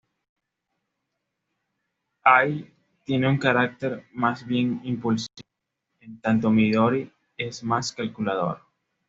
Ai tiene un carácter más bien impulsivo, en tanto Midori es más calculador.